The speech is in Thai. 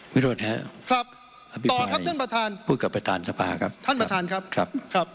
วิรุณครับอภิภัยพูดกับประธานสภาครับครับครับ